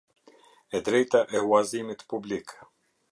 E drejta e huazimit publik.